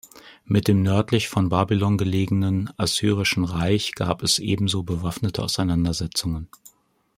Mit dem nördlich von Babylon gelegene Assyrischen Reich gab es ebenso bewaffnete Auseinandersetzungen.